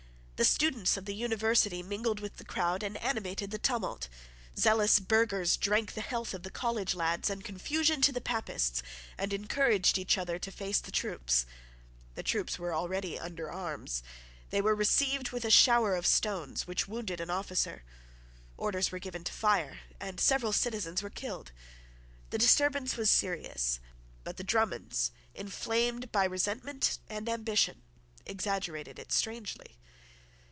The students of the University mingled with the crowd and animated the tumult. Zealous burghers drank the health of the college lads and confusion to Papists, and encouraged each other to face the troops. The troops were already under arms. They were received with a shower of stones, which wounded an officer. Orders were given to fire; and several citizens were killed. The disturbance was serious; but the Drummonds, inflamed by resentment and ambition, exaggerated it strangely.